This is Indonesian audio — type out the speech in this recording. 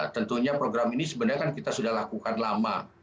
tentunya program ini sebenarnya kan kita sudah lakukan lama